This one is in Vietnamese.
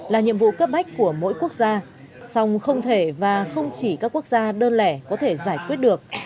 là nhiệm vụ cấp bách của mỗi quốc gia song không thể và không chỉ các quốc gia đơn lẻ có thể giải quyết được